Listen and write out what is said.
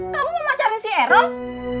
kamu mau pacarin si eros